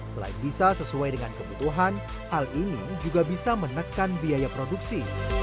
selain bisa sesuai dengan kebutuhan hal ini juga bisa menekan biaya produksi